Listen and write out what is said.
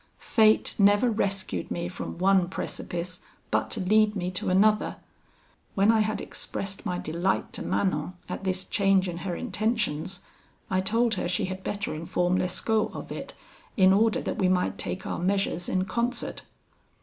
Fate never rescued me from one precipice, but to lead me to another. When I had expressed my delight to Manon at this change in her intentions, I told her she had better inform Lescaut of it, in order that we might take our measures in concert.